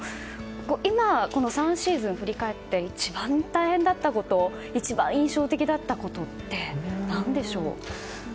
今、３シーズンを振り返って一番大変だったこと一番印象的だったことって何でしょう？